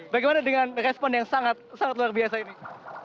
bagaimana dengan respon yang sangat luar biasa ini